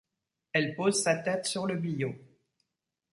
Elle pose sa tête sur le billot.